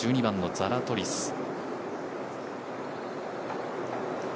１２番のザラトリス。